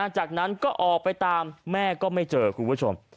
จากนั้นก็ออกไปตามแม่ก็ไม่เจอคุณผู้ชม